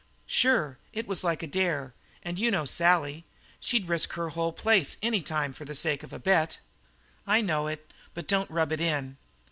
"Sure; it was like a dare and you know Sally. She'd risk her whole place any time for the sake of a bet." "I know it, but don't rub it in."